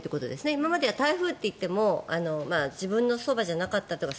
今までは台風といっても自分のそばじゃなかったというか